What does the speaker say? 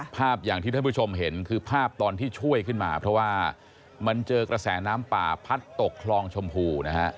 ภาพอย่างที่ท่านผู้ชมเห็นคือภาพตอนที่ช่วยขึ้นมาเพราะว่ามันเจอกระแสน้ำป่าพัดตกคลองชมพูนะฮะ